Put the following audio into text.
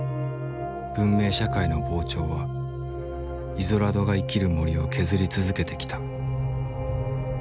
文明社会の膨張はイゾラドが生きる森を削り続けてきた。